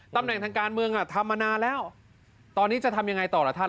ตำแหน่งทางการเมืองทำมานานแล้วตอนนี้จะทำยังไงต่อล่ะท่าน